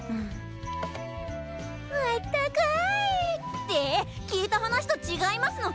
あったかぁい。って聞いた話と違いますの！